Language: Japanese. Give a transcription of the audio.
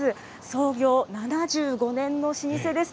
創業７５年の老舗です。